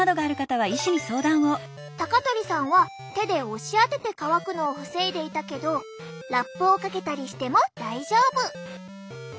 高鳥さんは手で押しあてて乾くのを防いでいたけどラップをかけたりしても大丈夫。